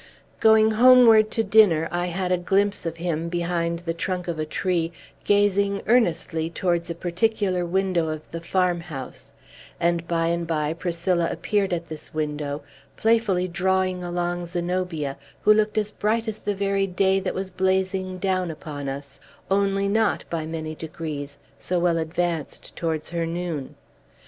Going homeward to dinner, I had a glimpse of him, behind the trunk of a tree, gazing earnestly towards a particular window of the farmhouse; and by and by Priscilla appeared at this window, playfully drawing along Zenobia, who looked as bright as the very day that was blazing down upon us, only not, by many degrees, so well advanced towards her noon.